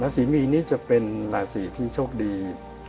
สีมีนนี่จะเป็นราศีที่โชคดี